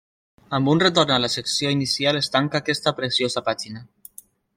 Amb un retorn a la secció inicial es tanca aquesta preciosa pàgina.